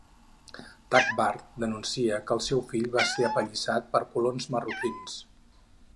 Takbar denuncia que el seu fill va ser apallissat per colons marroquins.